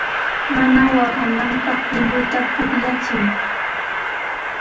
Mana waqananpaq llulluta pukllachiy.